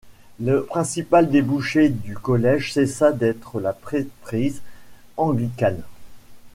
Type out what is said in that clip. Le principal débouché du collège cessa d’être la prêtrise anglicane.